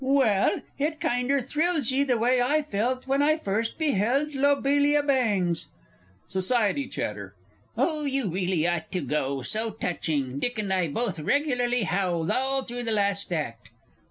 Wa'al, it kinder thrills ye the way I felt when I first beheld Lobelia Bangs! SOC. CHAT. Oh, you really ought to go so touching! Dick and I both regularly howled all through the last act....